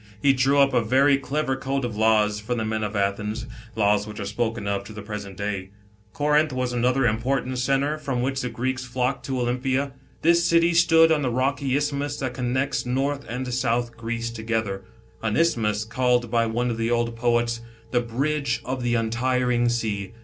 He drew up a very clever code of laws for the men of Athens, lays which are spoken of, to the present day. Corinth was another important centre, from which the Greeks flocked to Olympia. This city 1 See chapter 19. B.O. 559.] THE KINGDOM OF PERSIA. 83 stood on the rocky isthmus that connects North and South Greece together ; an isthmus called by one of the old poets the "bridge of the untiring sea."